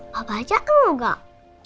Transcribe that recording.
papa aja kan enggak